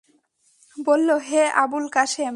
বলল, হে আবুল কাসেম!